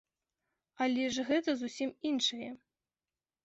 Але ж гэта зусім іншае.